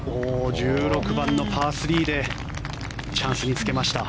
１６番のパー３でチャンスにつけました。